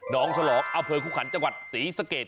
น้องสหรอกอเพลงคุกคันจังหวัดศรีสะเกด